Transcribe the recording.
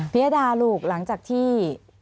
ยดาลูกหลังจากที่